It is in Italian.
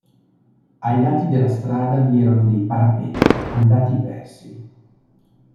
Ai lati della strada vi erano dei parapetti, andati persi.